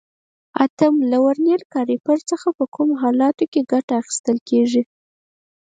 اتم: له ورنیر کالیپر څخه په کومو حالاتو کې ګټه اخیستل کېږي؟